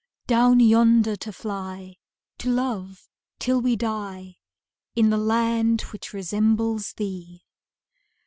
Down yonder to fly To love, till we die, In the land which resembles thee.